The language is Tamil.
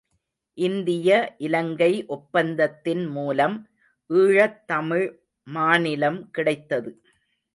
இந்திய இலங்கை ஒப்பந்தத்தின் மூலம், ஈழத் தமிழ் மாநிலம் கிடைத்தது.